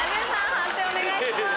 判定お願いします。